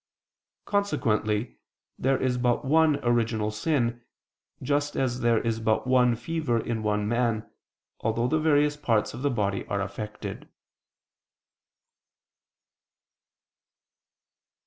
Consequently there is but one original sin: just as there is but one fever in one man, although the various parts of the body are affected.